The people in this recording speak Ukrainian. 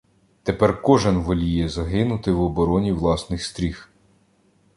Тепер кожний воліє загинути в обороні власних стріх.